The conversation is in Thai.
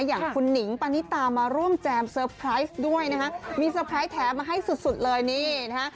อย่างคุณหนิงปานิตามาร่วมแจมด้วยนะฮะมีแท้มาให้สุดสุดเลยนี่นะฮะ